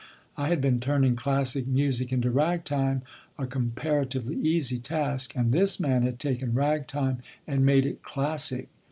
I had been turning classic music into ragtime, a comparatively easy task; and this man had taken ragtime and made it classic.